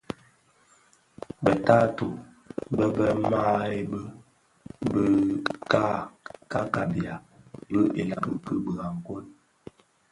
Be taatôh be be mahebe bë ka kabiya bi ilami ki birakoň.